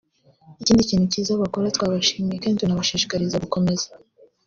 Ikindi kintu cyiza bakora twabashimiye kandi tunabashishikariza gukomeza